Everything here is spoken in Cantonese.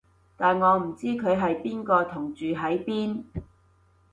但我唔知佢係邊個同住喺邊